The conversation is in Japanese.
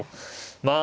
まあ